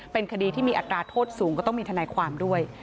เป็นคดีที่มีอัตราโทษสูงก็ต้องมีทนายความด้วย